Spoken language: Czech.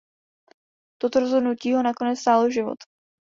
Toto rozhodnutí ho nakonec stálo život.